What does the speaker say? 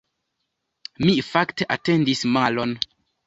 Mi fakte atendis malon.